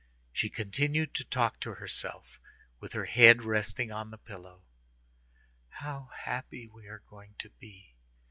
She continued to talk to herself, with her head resting on the pillow: "How happy we are going to be!